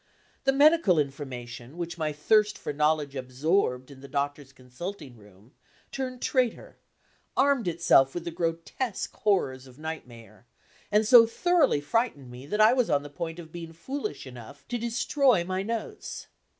The medical information, which my thirst for knowledge absorbed in the doctor's consulting room, turned traitor armed itself with the grotesque horrors of nightmare and so thoroughly frightened me that I was on the point of being foolish enough to destroy my notes.